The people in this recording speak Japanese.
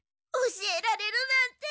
教えられるなんて。